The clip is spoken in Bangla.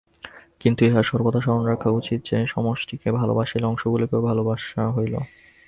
কিন্তু ইহা সর্বদা স্মরণ রাখা উচিত যে, সমষ্টিকে ভালবাসিলে অংশগুলিকেও ভালবাসা হইল।